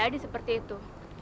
bisa jadi seperti itu